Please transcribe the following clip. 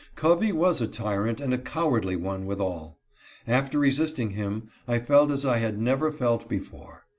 Covey was a tyrant and a cowardly one withal. After resisting him, I felt as I had never felt before.